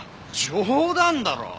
冗談だろう？